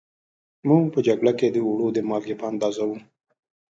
موږ په جگړه کې د اوړو د مالگې په اندازه وو